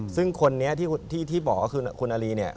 ซึ่งคนนี้ที่บอกก็คือคุณอารีเนี่ย